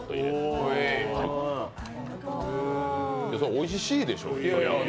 おいしいでしょ。